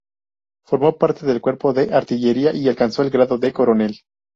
Formó parte del Cuerpo de Artillería y alcanzó el grado de coronel.